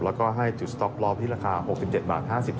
แล้วก็ให้จุดสต็อกปลอบที่ราคา๖๗๕๓บาทครับ